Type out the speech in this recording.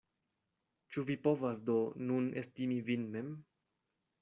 Ĉu vi povas do nun estimi vin mem?